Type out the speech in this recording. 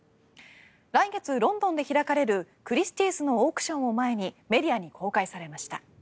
来月、ロンドンで開かれるクリスティーズのオークションを前にメディアに公開されました。